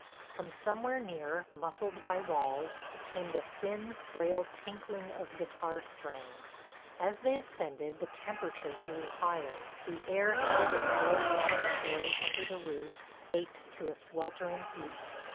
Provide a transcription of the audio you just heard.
From somewhere near, muffled by walls, came the thin, frail tinkling of guitar strings. As they ascended the temperature grew higher, the air held in the low attic story under the roof, baked to a sweltering heat.